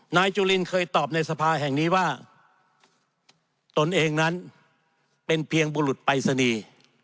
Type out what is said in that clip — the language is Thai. นายจุลินเคยตอบในสภาแห่งนี้ว่าตนเองนั้นเป็นเพียงบุรุษปรายศนีย์